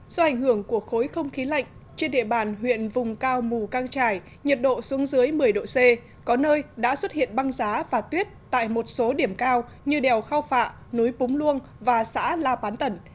do ảnh hưởng của khối không khí lạnh trên địa bàn huyện vùng cao mù căng trải nhiệt độ xuống dưới một mươi độ c có nơi đã xuất hiện băng giá và tuyết tại một số điểm cao như đèo khao phạ núi púng luông và xã la bán tẩn